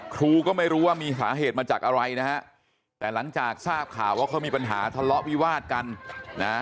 ครูก็ไม่รู้ว่ามีสาเหตุมาจากอะไรนะฮะแต่หลังจากทราบข่าวว่าเขามีปัญหาทะเลาะวิวาดกันนะ